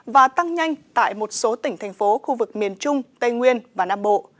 và tăng nhanh tại một số tỉnh thành phố khu vực miền trung tây nguyên và nam bộ